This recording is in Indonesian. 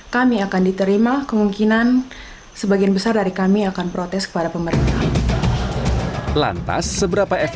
jika pemerintah belum mengeluarkan statement yang menjamin